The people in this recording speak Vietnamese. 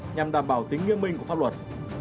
nhằm đảm bảo tính nghiêm mình của pháp luật